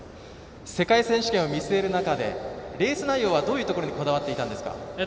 世界選手権を見据える中でレース内容はどういうところにこだわっていたんですか？